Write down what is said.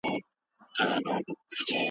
د نورو خلکو پرده کول لویه نېکي ده.